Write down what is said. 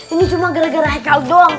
ini cuma gara gara haikal doang